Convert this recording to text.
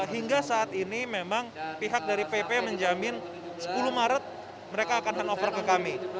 hingga saat ini memang pihak dari pp menjamin sepuluh maret mereka akan handover ke kami